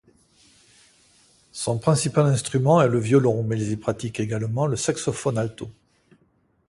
Son principal instrument est le violon mais il pratique également le saxophone alto.